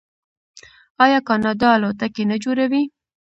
آیا کاناډا الوتکې نه جوړوي؟